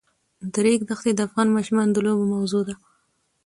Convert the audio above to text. د ریګ دښتې د افغان ماشومانو د لوبو موضوع ده.